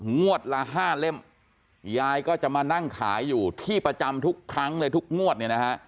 งวดละห้าเล่มยายก็จะมานั่งขายอยู่ที่ประจำทุกครั้งเลยทุกงวดเนี่ยนะฮะ